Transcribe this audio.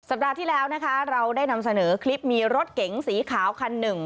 ปัดที่แล้วนะคะเราได้นำเสนอคลิปมีรถเก๋งสีขาวคันหนึ่ง